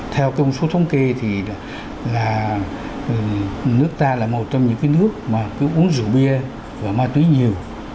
theo công số thống kê thì là nước ta là một trong những nước mà cứ uống rượu bia và ma túy nhiều